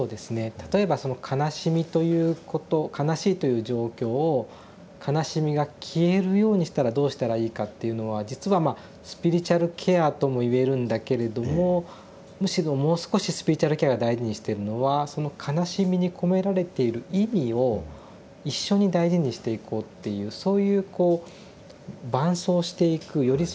例えばその悲しみということ悲しいという状況を悲しみが消えるようにしたらどうしたらいいかっていうのは実はまあスピリチュアルケアともいえるんだけれどもむしろもう少しスピリチュアルケアが大事にしてるのはその悲しみに込められている意味を一緒に大事にしていこうっていうそういうこう伴走していく寄り添一緒にですね